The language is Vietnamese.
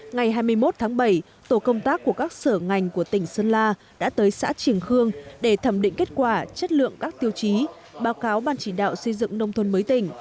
ngày hai mươi một tháng bảy tổ công tác của các sở ngành của tỉnh sơn la đã tới xã triển khương để thẩm định kết quả chất lượng các tiêu chí báo cáo ban chỉ đạo xây dựng nông thôn mới tỉnh